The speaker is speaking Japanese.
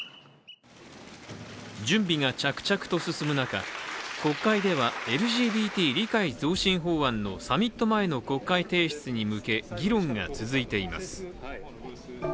準備が着々と進む中、国会ではＬＧＢＴ理解増進法案のサミット前の国会提出に向け議論が続いています。